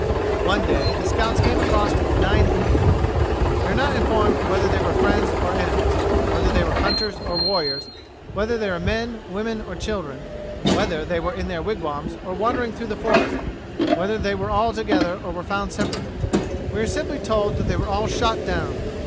One day the scouts came across nine Indians. We are not informed whether they were friends or enemies, whether they were hunters or warriors, whether they were men, women, or children, whether they were in their wigwams or wandering through the forest, whether they were all together or were found separately: we are simply told that they were all shot down.